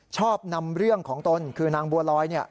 ชอบนำเรื่องของตนคือนางบัวลอย